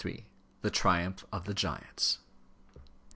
THE TRIUMPH OF THE GIANTS.